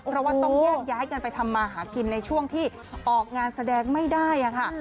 เพราะว่าต้องแยกย้ายกันไปทำมาหากินในช่วงที่ออกงานแสดงไม่ได้ค่ะ